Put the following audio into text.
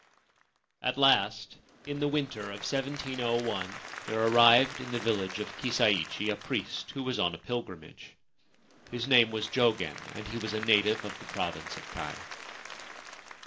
At last, in the winter of 1701, there arrived at the village of Kisaichi a priest who was on a pilgrimage. His name was Jogen, and he was a native of the Province of Kai.